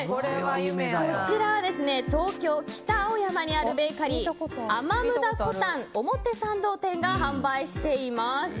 こちら、東京・北青山にあるベーカリーアマムダコタン表参道店が販売しています。